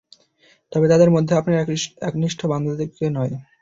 তবে তাদের মধ্যে আপনার একনিষ্ঠ বান্দাদেরকে নয়।